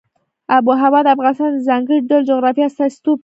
آب وهوا د افغانستان د ځانګړي ډول جغرافیه استازیتوب کوي.